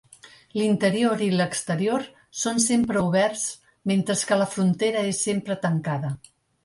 L'interior i l'exterior són sempre oberts mentre que la frontera és sempre tancada.